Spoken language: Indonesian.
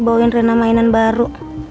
bawain rena mainan baru